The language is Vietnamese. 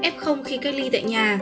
f khi cách ly tại nhà